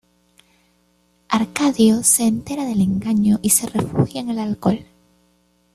Arcadio se entera del engaño y se refugia en el alcohol.